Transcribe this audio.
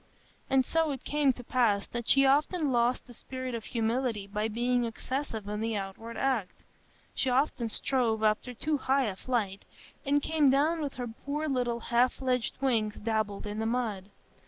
And so it came to pass that she often lost the spirit of humility by being excessive in the outward act; she often strove after too high a flight, and came down with her poor little half fledged wings dabbled in the mud.